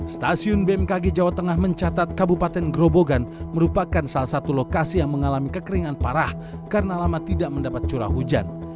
stasiun bmkg jawa tengah mencatat kabupaten grobogan merupakan salah satu lokasi yang mengalami kekeringan parah karena lama tidak mendapat curah hujan